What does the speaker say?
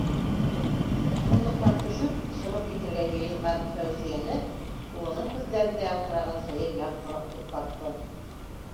- Урындыҡтан төшөп, сығып китергә йыйынған Фәүзиәне улының күҙҙәрендә ялтыраған сәйер яҡтылыҡ туҡтатты.